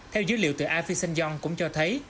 theo dữ liệu từ avisenion cũng cho thấy